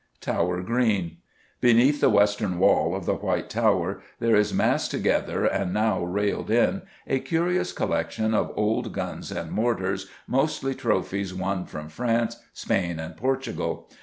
Tower Green. Beneath the western wall of the White Tower there is massed together, and now railed in, a curious collection of old guns and mortars, mostly trophies won from France, Spain and Portugal.